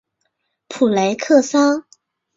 普雷克桑。